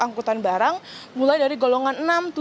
angkutan barang mulai dari golongan